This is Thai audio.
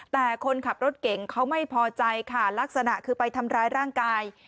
แต่คนขับรถเก่งเขาไม่พอใจค่ะลักษณะคือไปทำร้ายร่างกาย